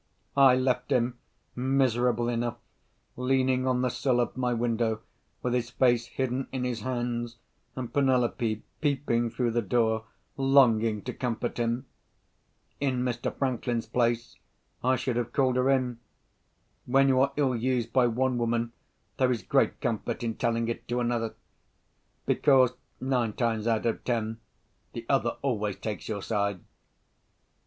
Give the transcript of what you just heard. I left him, miserable enough, leaning on the sill of my window, with his face hidden in his hands and Penelope peeping through the door, longing to comfort him. In Mr. Franklin's place, I should have called her in. When you are ill used by one woman, there is great comfort in telling it to another—because, nine times out of ten, the other always takes your side.